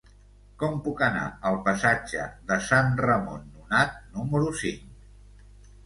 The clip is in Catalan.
Com puc anar al passatge de Sant Ramon Nonat número cinc?